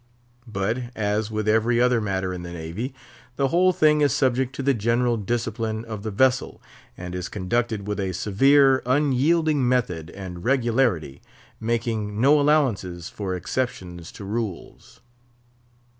But, as with every other matter in the Navy, the whole thing is subject to the general discipline of the vessel, and is conducted with a severe, unyielding method and regularity, making no allowances for exceptions to rules.